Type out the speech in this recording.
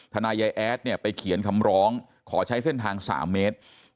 ทนายแอดเนี่ยไปเขียนคำร้องขอใช้เส้นทาง๓เมตร